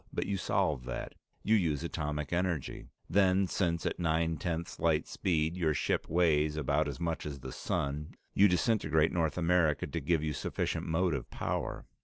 But you solve that. You use atomic energy. Then, since at nine tenths light speed, your ship weighs about as much as the sun, you disintegrate North America to give you sufficient motive power.